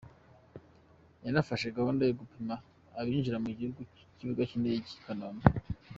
Yanafashe gahunda yo gupima abinjira mu gihugu ku kibuga cy’indege i Kanombe.